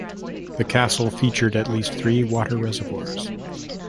The castle featured at least three water reservoirs.